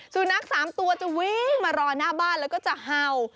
สุนัข๓ตัวจะวิ่งมารอหน้าบ้านแล้วก็จะเห่า